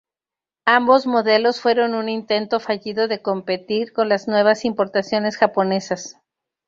Ambos modelos fueron un intento fallido de competir con las nuevas importaciones japonesas.